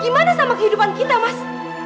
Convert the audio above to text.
gimana sama kehidupan kita mas